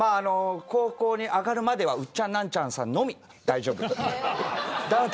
高校に上がるまではウッチャンナンチャンさんのみ大丈夫。